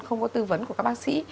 không có tư vấn của các bác sĩ